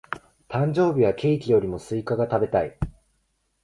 誕生日はケーキよりもスイカが食べたい。